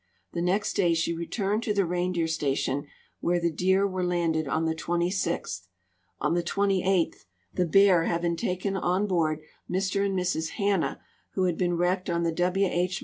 The next day she returned to the reindeer station, Avhere the deer Avere landed on the 26th. On the 28th, the Bear having taken on board Mr and Mrs Hanna, Avho had been Avrecked on the IF. H.